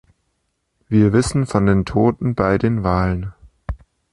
Wir wissen von den Toten bei den Wahlen.